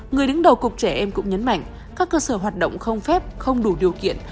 người đứng đầu cục trẻ em cũng nhấn mạnh các cơ sở hoạt động không phép không đủ điều kiện